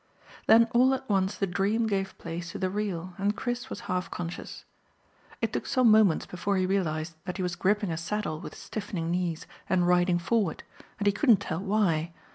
Then all at once the dream gave place to the real, and Chris was half conscious. It took some moments before he realised that he was gripping a saddle with stiffening knees and riding forward, and he couldn't tell why.